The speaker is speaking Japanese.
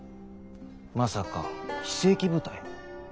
まさか非正規部隊。